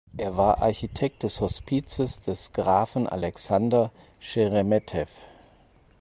Er war Architekt des Hospizes des Grafen Alexander Scheremetew.